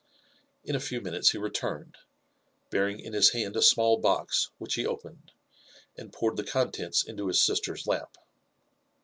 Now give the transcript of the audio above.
In a few minutes he returned, bearing in his hand a small box, which he opened, and poured the contents into his sister's lap.